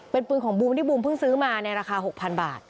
เป็นปืนของบูมที่บูมเพิ่งซื้อมาในราคา๖๐๐๐บาท